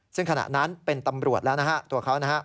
ซึ่งขณะนั้นเป็นตำรวจแล้วนะฮะตัวเขานะฮะ